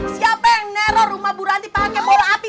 siapa yang nerol rumah bu ranti pakai bola api